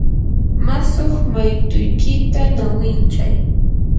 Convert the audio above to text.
mushuq maytuykita ñawinchay.